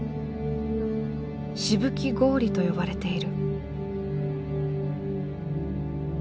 「しぶき氷」と呼ばれている。